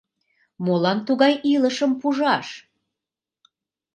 Молан тугай илышым пужаш?